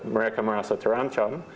mereka merasa terancam